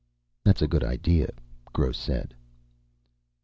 "That's a good idea," Gross said.